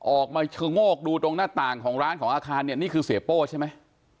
ออกมาชะโงกดูตรงหน้าต่างของร้านของอาคารเนี่ยนี่คือเสียโป้ใช่ไหม